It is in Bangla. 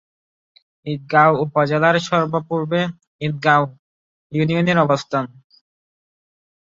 ঈদগাঁও উপজেলার সর্ব-পূর্বে ঈদগাঁও ইউনিয়নের অবস্থান।